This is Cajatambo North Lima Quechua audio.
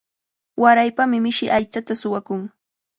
Waraypami mishi aychata suwakun.